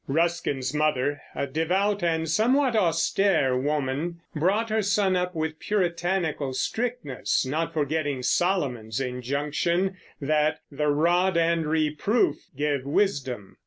Ruskin's mother, a devout and somewhat austere woman, brought her son up with Puritanical strictness, not forgetting Solomon's injunction that "the rod and reproof give wisdom."